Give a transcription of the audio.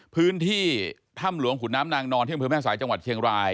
พื้นที่ถ้ำหลวงขุนน้ำนางนอนที่อำเภอแม่สายจังหวัดเชียงราย